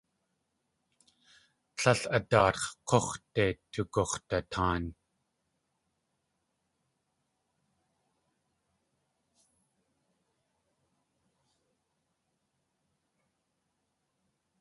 Tlél a daatx̲ k̲úx̲de tugux̲dataan.